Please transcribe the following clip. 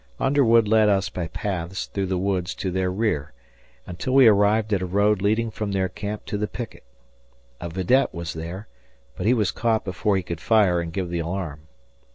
Underwood led us by paths through the woods to their rear until we arrived at a road leading from their camp to the picket. A vidette was there, but he was caught before he could fire and give the alarm.